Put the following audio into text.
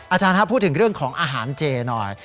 อาจารย์ครับพูดถึงเรื่องของอาหารเจหน่อย